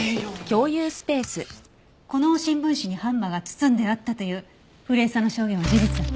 この新聞紙にハンマーが包んであったという古江さんの証言は事実だった。